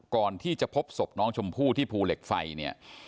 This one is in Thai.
ก่อนที่จะพบศพน้องชมพู่ที่ภูเหล็กไฟเนี่ย